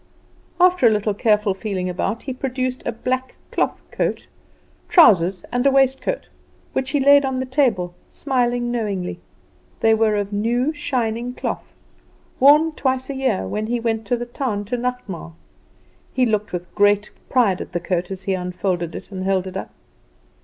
After a little careful feeling about, he produced a black cloth coat, trousers, and waistcoat, which he laid on the table, smiling knowingly. They were of new shining cloth, worn twice a year, when he went to the town to nachtmaal. He looked with great pride at the coat as he unfolded it and held it up.